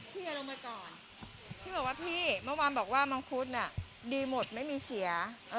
อย่าลงมาก่อนพี่บอกว่าพี่เมื่อวานบอกว่ามังคุดน่ะดีหมดไม่มีเสีย